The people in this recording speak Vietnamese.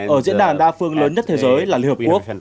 ở diễn đàn đa phương lớn nhất thế giới là liên hợp quốc